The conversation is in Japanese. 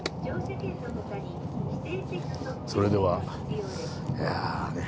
それではいやね。